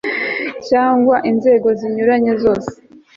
cyangwa inzego zinyuranye zose